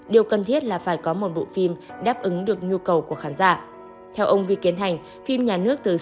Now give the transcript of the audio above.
điều cần thiết là phải có một bộ phim đáp ứng được nhu cầu của khán giả